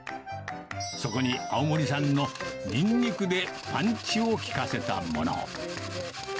そこに青森産のにんにくでパンチを効かせたもの。